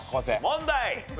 問題。